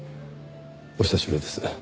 お久しぶりです。